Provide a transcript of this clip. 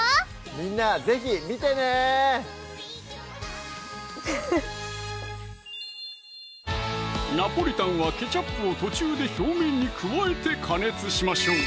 みんな是非見てねナポリタンはケチャップを途中で表面に加えて加熱しましょう！